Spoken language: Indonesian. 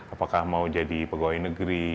apakah mau jadi pegawai negeri